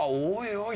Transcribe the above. おい